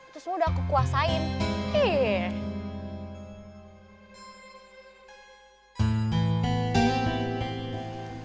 terus mudah kukuasain